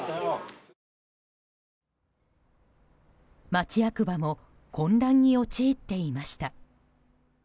町役場も混乱に陥っていました。